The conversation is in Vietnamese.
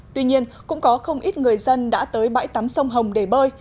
tuy nhiên cũng có không ít người dân đã tới bãi tắm sông hồng để bơi